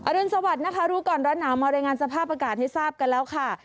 รุนสวัสดิ์นะคะรู้ก่อนร้อนหนาวมารายงานสภาพอากาศให้ทราบกันแล้วค่ะ